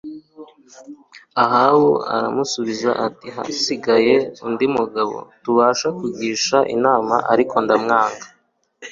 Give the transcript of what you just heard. Ahabu aramusubiza ati Hasigaye undi mugabo tubasha kugishisha inama Ariko ndamwanga